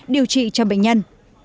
điều trị cho bệnh nhân